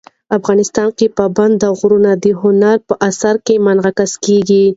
افغانستان کې پابندی غرونه د هنر په اثار کې منعکس کېږي.